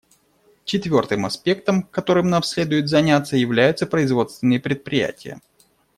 Четвертым аспектом, которым нам следует заняться, являются производственные предприятия.